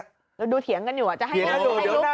เดี๋ยวดูเถียงกันอยู่อ่ะจะให้ลูก